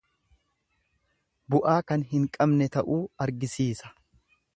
Bu'aa kan hin qabne ta'uu argisiisa.